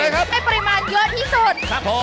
ให้ปริมาณเยอะที่สุด